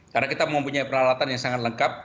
karena kita mempunyai peralatan yang sangat lengkap